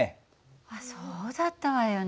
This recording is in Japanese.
あっそうだったわよね。